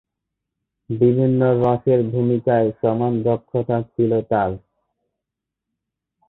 বিভিন্ন রসের ভূমিকায় সমান দক্ষতা ছিল তার।